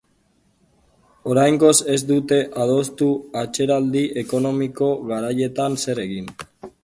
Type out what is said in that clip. Oraingoz ez dute adostu atzeraldi ekonomiko garaietan zer egin.